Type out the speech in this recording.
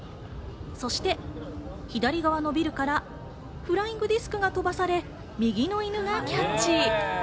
そして、左側のビルからフライングディスクが飛ばされ、右の犬がキャッチ。